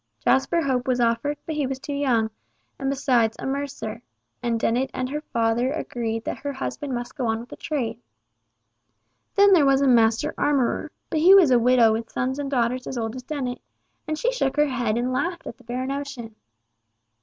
Jasper Hope was offered, but he was too young, and besides, was a mercer—and Dennet and her father were agreed that her husband must go on with the trade. Then there was a master armourer, but he was a widower with sons and daughters as old as Dennet, and she shook her head and laughed at the bare notion.